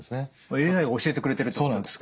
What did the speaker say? ＡＩが教えてくれてるってことですか。